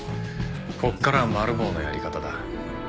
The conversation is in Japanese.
ここからはマル暴のやり方だ。